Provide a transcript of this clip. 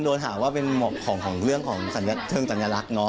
โดนหาว่าเป็นของของเรื่องของสัญลักษณ์